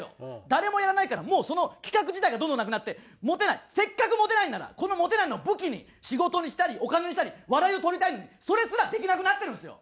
誰もやらないからもうその企画自体がどんどんなくなってモテないせっかくモテないんならこのモテないのを武器に仕事にしたりお金にしたり笑いをとりたいのにそれすらできなくなってるんですよ！